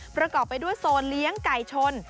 ประกอบไปด้วยโซนเลี้ยงไก่ชน